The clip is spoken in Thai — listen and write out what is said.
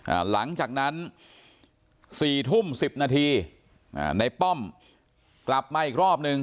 หลังจากนั้นสี่ทุ่มสิบนาทีอ่าในป้อมกลับมาอีกรอบหนึ่ง